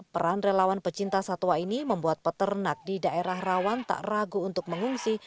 peran relawan pecinta satwa ini membuat peternak di daerah rawan tak ragu untuk mengungsi